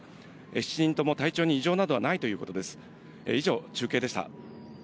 ７人とも体調に異常などはないということです。